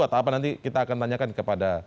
atau apa nanti kita akan tanyakan kepada